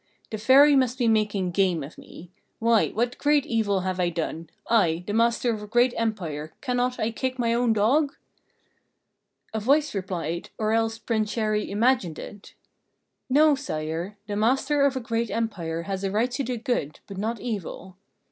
"The Fairy must be making game of me. Why, what great evil have I done? I, the master of a great empire, cannot I kick my own dog?" A voice replied, or else Prince Chéri imagined it: "No, sire; the master of a great empire has a right to do good, but not evil.